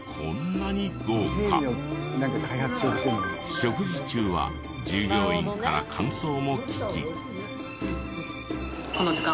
食事中は従業員から感想も聞き。